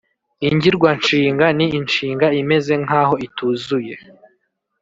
ingirwanshinga ni nshinga imeze nkaho ituzuye